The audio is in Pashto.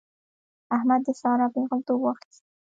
احمد د سارا پېغلتوب واخيست.